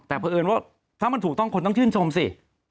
แต่เพราะเอิญว่าถ้ามันถูกต้องคนต้องชื่นชมสิ